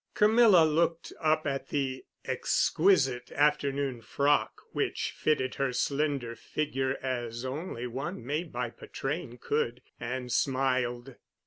Camilla looked up at the exquisite afternoon frock, which fitted her slender figure as only one made by Patrain could, and smiled.